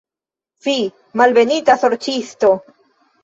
Fi, malbenita sorĉisto!